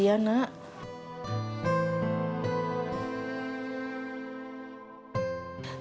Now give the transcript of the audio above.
ibu khawatir sama diana